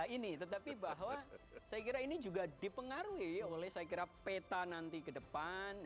ini tetapi bahwa saya kira ini juga dipengaruhi oleh saya kira peta nanti ke depan